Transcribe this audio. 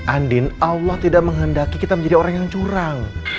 andin allah tidak menghendaki kita menjadi orang yang curang